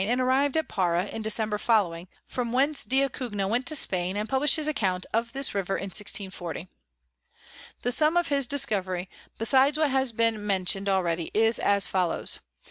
and arriv'd at Para in December following; from whence d'Acugna went to Spain, and publish'd his Account of this River in 1640. [Sidenote: Account of the River Amazons.] The Sum of his Discovery, besides what has been mention'd already, is as follows.